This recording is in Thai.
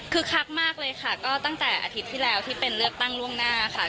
คือคักมากเลยค่ะก็ตั้งแต่อาทิตย์ที่แล้วที่เป็นเลือกตั้งล่วงหน้าค่ะ